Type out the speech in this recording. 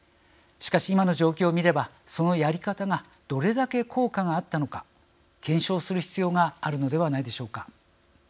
しかし、今の状況を見ればそのやり方がどれだけ効果があったのか検証する必要があるのではないでしょうか。